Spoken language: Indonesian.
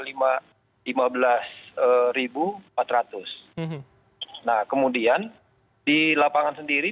nah kemudian di lapangan sendiri banyak yang menemukan